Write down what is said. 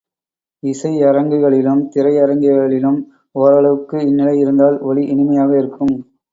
இசையரங்குகளிலும் திரையரங்கிலும் ஒரளவுக்கு இந்நிலை இருந்தால், ஒலி இனிமை இருக்கும்.